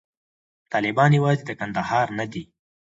طالبان یوازې د کندهار نه دي.